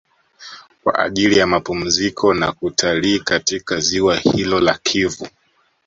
Kwa ajili ya mapumziko na kutalii katika Ziwa hilo la Kivu